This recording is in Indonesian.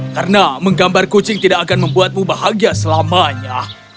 karena menggambar kucing tidak akan membuatmu bahagia selama ini